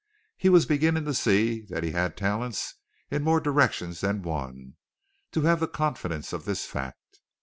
He was beginning to see that he had talents in more directions than one, and to have the confidence of this fact.